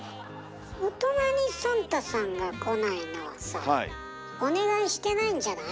大人にサンタさんが来ないのはさお願いしてないんじゃない？